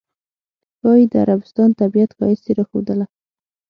ښایي د عربستان طبیعت ښایست یې راښودله.